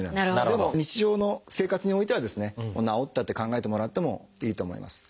でも日常の生活においてはですねもう治ったって考えてもらってもいいと思います。